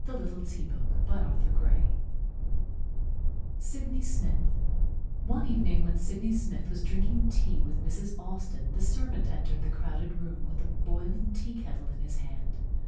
[Illustration of Old Russian Samovar] SYDNEY SMITH One evening when Sidney Smith was drinking tea with Mrs. Austin the servant entered the crowded room with a boiling tea kettle in his hand.